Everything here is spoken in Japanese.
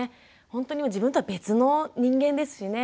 ほんとに自分とは別の人間ですしね。